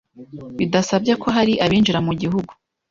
bidasabye ko hari abinjira mu Gihugu.